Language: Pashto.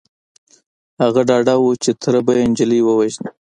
هغه ډاډه و چې تره به يې نجلۍ ووژني.